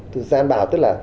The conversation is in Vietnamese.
từ gian bảo tức là